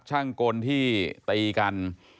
ช่างกลที่ตีกัน